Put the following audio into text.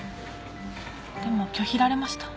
でも拒否られました